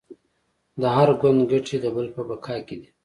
د هر ګوند ګټې د بل په بقا کې دي